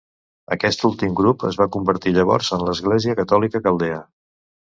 Aquest últim grup es va convertir llavors en l'Església catòlica caldea.